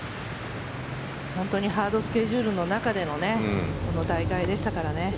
本当にハードスケジュールの中でのこの大会でしたからね。